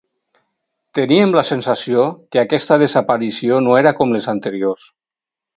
Teníem la sensació que aquesta desaparició no era com les anteriors.